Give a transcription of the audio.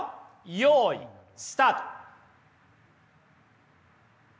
よいスタート！